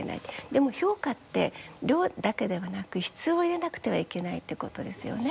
でも評価って量だけではなく質を入れなくてはいけないってことですよね。